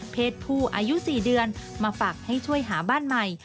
เพศผู้อายุ๔เดือนมาฝากให้ช่วยหาบ้านใหม่